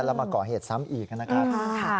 แล้วมาก่อเหตุซ้ำอีกนะครับ